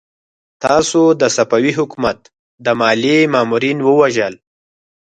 تاسو د صفوي حکومت د ماليې مامورين ووژل!